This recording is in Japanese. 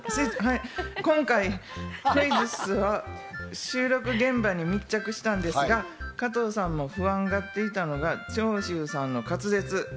今回、クイズッスは収録現場に密着したんですが、加藤さんも不安がっていたのが長州さんの滑舌。